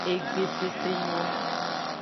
Egbe sese nyo.